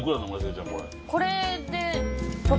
これで。